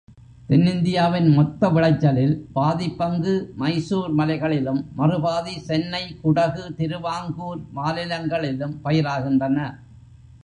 தென்னிந்தியாவின் மொத்த விளைச்சலில் பாதிப்பங்கு மைசூர் மலைகளிலும், மறுபாதி சென்னை, குடகு, திருவாங்கூர் மாநிலங்களிலும் பயிராகின்றன.